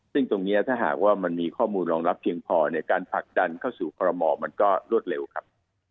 ซึ่งตรงนี้ถ้าหากว่ามันมีข้อมูลรองรับเพียงพอเนี่ยการผลักดันเข้าสู่คอรมอมันก็รวดเร็วครับ